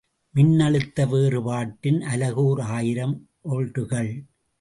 மின்னழுத்த வேறுபாட்டின் அலகு ஓர் ஆயிரம் ஒல்ட்டுகள்.